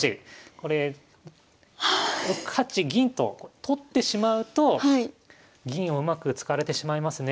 これ６八銀と取ってしまうと銀をうまく使われてしまいますね。